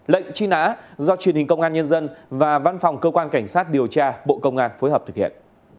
lệnh truy nã do truyền hình công an nhân dân và văn phòng cơ quan cảnh sát điều tra bộ công an phối hợp thực hiện